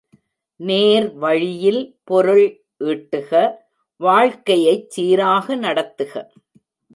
நேர் வழியில் பொருள் ஈட்டுக வாழ்க்கையைச் சீராக நடத்துக.